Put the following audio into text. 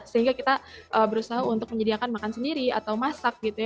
sehingga kita berusaha untuk menyediakan makan sendiri atau masak gitu ya